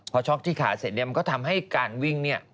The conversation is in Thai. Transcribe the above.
พอช็อกที่ขาเสร็จเนี่ยมันก็ทำให้การวิ่งเนี่ย